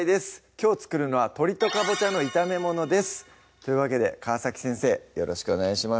きょう作るのは「鶏とかぼちゃの炒めもの」ですというわけで川先生よろしくお願いします